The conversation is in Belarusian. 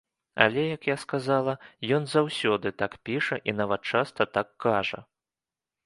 Але, як я сказала, ён заўсёды так піша і нават часта так кажа.